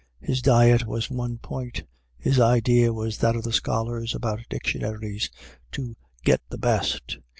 His diet was one point; his idea was that of the scholars about dictionaries, to "get the best."